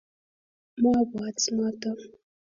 mwabwat noto.